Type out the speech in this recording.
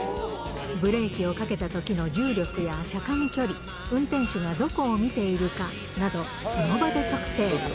ブレーキをかけたときの重力や車間距離、運転手がどこを見ているかなど、その場で測定。